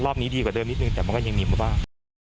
รอบนี้ดีกว่าเดิมนิดนึงแต่มันก็ยังมีมาบ้าง